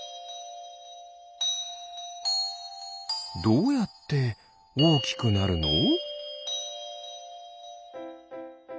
どうやっておおきくなるの？